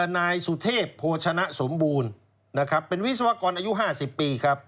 นายสุเทพโภชนะสมบูรณ์นะครับเป็นวิศวกรอายุ๕๐ปีครับ